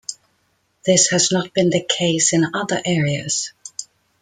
This has not been the case in other areas.